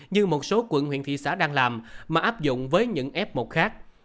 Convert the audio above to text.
như một số quận huyện thị xã đang làm mà áp dụng với những f một khác